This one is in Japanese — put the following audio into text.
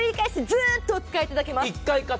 ずーっとお使いいただけます。